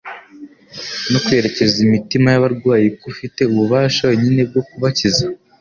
no kwerekeza imitima y'abarwayi k'Ufite ububasha wenyine bwo kubakiza.